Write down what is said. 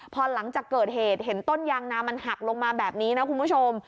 พอหลังจากเกิดเหตุเห็นต้นยางนามันหักลงมาแบบนี้นะคุณผู้ชม